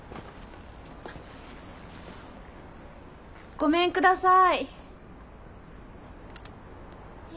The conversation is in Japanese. ごめんください。